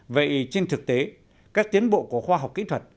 vậy trên thực tế các tiến bộ của khoa học kỹ thuật